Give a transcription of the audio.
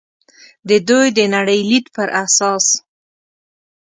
د دوی د نړۍ لید پر اساس.